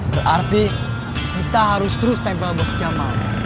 berarti kita harus terus tempel bus jamal